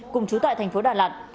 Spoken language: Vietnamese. cùng trú tại thành phố đà lạt